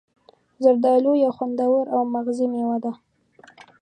زردآلو یو خوندور او مغذي میوه ده.